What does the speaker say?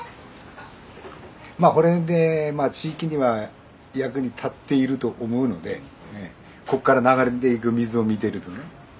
まあこれでまあ地域には役に立っていると思うのでこっから流れていく水を見てるとね。